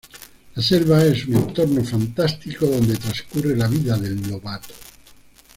La selva es un entorno fantástico donde transcurre la vida del Lobato.